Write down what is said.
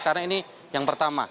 karena ini yang pertama